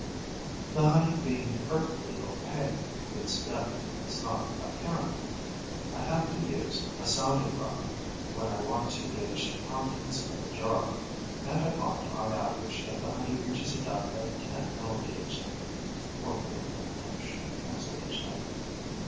The honey being perfectly opaque, its depth is not apparent. I have to use a sounding rod when I want to gauge the contents of the jar; and I find, on the average, that the honey reaches a depth of ten millimetres. (.39 inch. Translator's Note.)